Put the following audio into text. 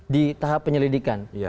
di tahap penyelidikan